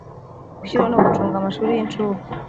Gushyiraho no gucunga amashuri y incuke